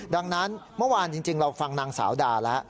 ดังนั้นเมื่อวานจริงเราฟังนางสาวดาแล้ว